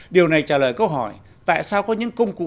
điều này trả lời câu hỏi tại sao có những công cụ